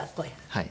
はい。